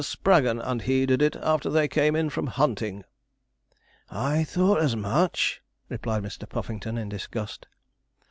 Spraggon and he did it after they came in from hunting.' 'I thought as much,' replied Mr. Puffington, in disgust.